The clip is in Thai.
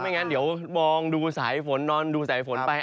งั้นเดี๋ยวมองดูสายฝนนอนดูสายฝนไป